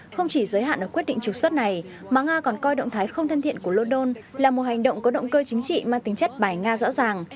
không chỉ giới hạn ở quyết định trục xuất này mà nga còn coi động thái không thân thiện của london là một hành động có động cơ chính trị mang tính chất bài nga rõ ràng